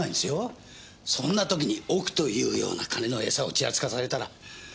そんな時に億というような金のエサをちらつかされたら。